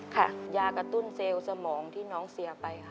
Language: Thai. ค่ะยากระตุ้นเซลล์สมองที่น้องเสียไปค่ะ